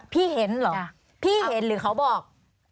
พี่เห็นเหรอพี่เห็นหรือเขาบอก